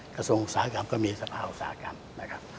กระทรวงอุตสาหกรรมก็มีสภาอุตสาหกรรมนะครับ